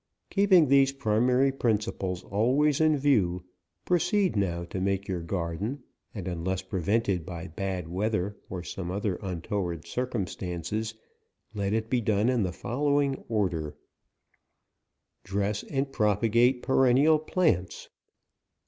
Keeping these pri mary principles always in view, proceed now to make your garden, and unless prevented by bad weather, or some other untoward cir cumstances, let it be done in the following order : Dress and propagate perennial plants.